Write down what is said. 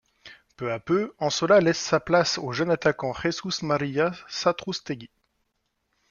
Peu à peu, Ansola laisse sa place au jeune attaquant Jesús María Satrústegui.